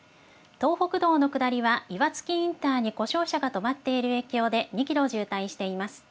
東北道の下りは岩槻インターに故障車が止まっている影響で２キロ渋滞しています。